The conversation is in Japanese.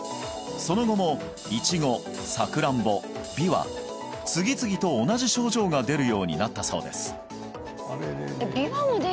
その後もイチゴサクランボビワ次々と同じ症状が出るようになったそうです